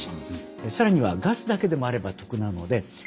更にはガスだけでもあれば得なので燃料電池ですね。